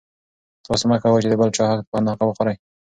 تاسو مه کوئ چې د بل چا حق په ناحقه وخورئ.